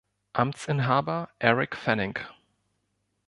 Amtsinhaber Eric Fanning.